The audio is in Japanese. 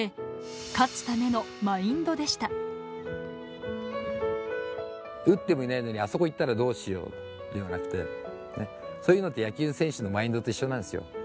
そして、打ってもいないのに、あそこいったらどうしようではなくて、そういうのって野球選手のマインドと一緒なんですよ。